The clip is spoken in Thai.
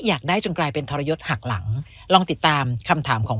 อยากได้จนกลายเป็นทรยศหักหลังลองติดตามคำถามของ